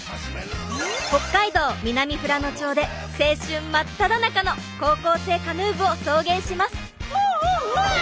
北海道南富良野町で青春まっただ中の高校生カヌー部を送迎します！